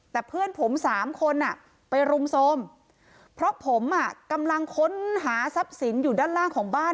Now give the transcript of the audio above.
แต่เพื่อนผมสามคนไปรุมโทรมเพราะผมกำลังค้นหาทรัพย์สินอยู่ด้านล่างของบ้าน